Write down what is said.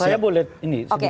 saya boleh ini sedikit